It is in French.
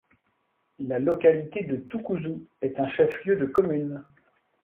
La localité de Toukouzou est un chef-lieu de commune.